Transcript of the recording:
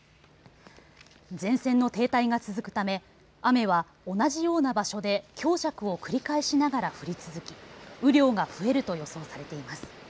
前線の停滞が続くため雨は同じような場所で強弱を繰り返しながら降り続き、雨量が増えると予想されています。